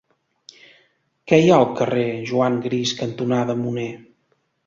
Què hi ha al carrer Juan Gris cantonada Munné?